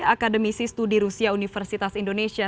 akademisi studi rusia universitas indonesia